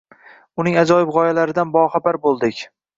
Uning ajoyib g’oyalaridan boxabar bo’ldik.